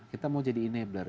kita mau jadi enabler